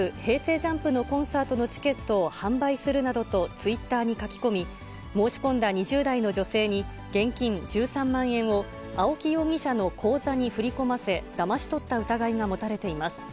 ＪＵＭＰのコンサートのチケットを販売するなどとツイッターに書き込み、申し込んだ２０代の女性に、現金１３万円を青木容疑者の口座に振り込ませ、だまし取った疑いが持たれています。